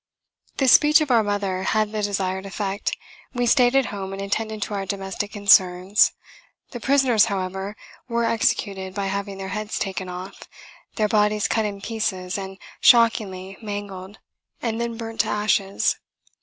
This speech of our mother had the desired effect; we stayed at home and attended to our domestic concerns. The prisoners, however, were executed by having their heads taken off, their bodies cut in pieces and shockingly mangled, and then burnt to ashes!